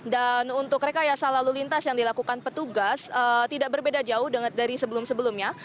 dan untuk rekayasa lalu lintas yang dilakukan petugas tidak berbeda jauh dari sebelum sebelumnya